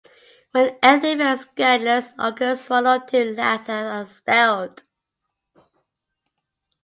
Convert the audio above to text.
When anything very scandalous occurs one or two lads are expelled.